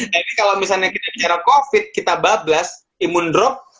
tapi kalau misalnya kita bicara covid kita bablas imun drop